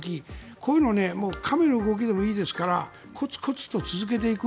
こういうのを亀の動きでもいいですからコツコツと続けていく。